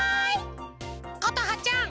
ことはちゃん。